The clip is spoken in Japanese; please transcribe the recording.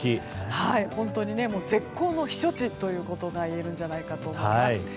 本当に絶好の避暑地といえるんじゃないかと思います。